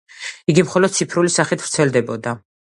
იგი მხოლოდ ციფრული სახით ვრცელდებოდა.